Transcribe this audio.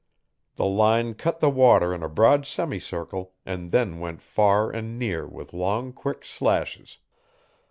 The line cut the water in a broad semicircle and then went far and near with long, quick slashes.